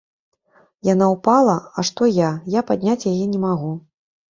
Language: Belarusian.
Яна ўпала, а што я, я падняць яе не магу.